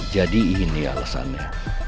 jadi ini alasannya